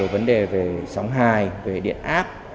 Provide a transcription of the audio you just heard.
vấn đề về sóng hài về điện áp